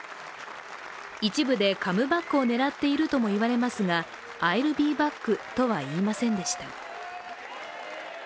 一部でカムバックを狙っているとも言われますが「Ｉ’ｌｌｂｅｂａｃｋ」とは言いませんでした。